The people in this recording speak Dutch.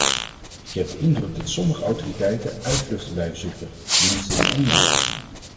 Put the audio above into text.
Ik heb de indruk dat sommige autoriteiten uitvluchten blijven zoeken, tenminste in één land.